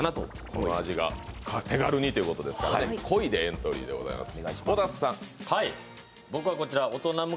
この味が手軽にということですから、濃いでエントリーです。